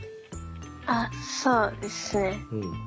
あそうですね。